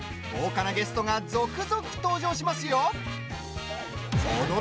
豪華なゲストが続々登場しますよ。